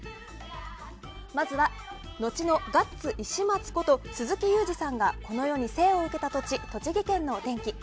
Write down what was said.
まずは、のちのガッツ石松こと鈴木雄二さんがこの世に生を受けた土地栃木県のお天気。